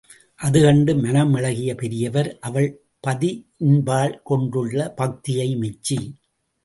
அதுகண்டு மனம் இளகிய பெரியவர், அவள் பதியின்பால் கொண்டுள்ள பக்தியை மெச்சி.